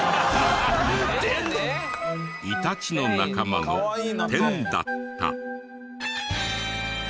イタチの仲間のテンだった。